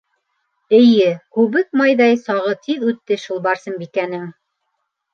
Эйе, күбек майҙай сағы тиҙ үтте шул Барсынбикәнең!..